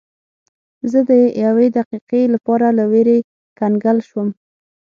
زه د یوې دقیقې لپاره له ویرې کنګل شوم.